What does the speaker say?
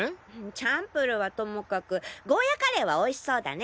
チャンプルはともかくゴーヤカレーは美味しそうだね。